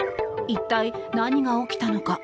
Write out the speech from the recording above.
一体、何が起きたのか。